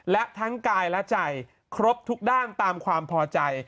และทั้งกายและใจครบทุกด้านตามความพอใจ